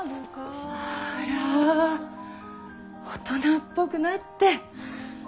あらあ大人っぽくなって。